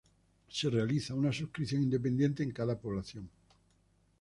Se realiza una suscripción independiente en cada población.